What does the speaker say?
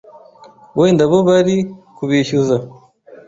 wenda bo bari kubishyuza